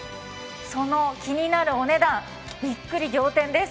その気になるお値段、びっくり仰天です。